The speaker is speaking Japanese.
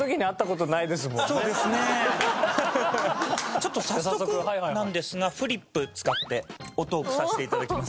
ちょっと早速なんですがフリップ使っておトークさせて頂きます。